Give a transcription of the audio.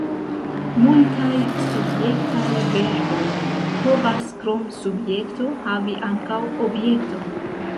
Multaj subjektaj verboj povas krom subjekto havi ankaŭ objekton.